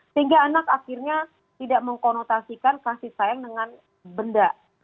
sehingga anak akhirnya tidak mengkonotasikan kasih sayang dengan benda